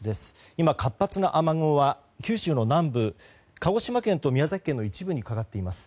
今、活発な雨雲は九州の南部鹿児島県と宮崎県の一部にかかっています。